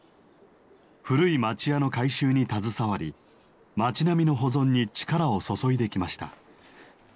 古い町家の改修に携わり街並みの保存に力を注いできました。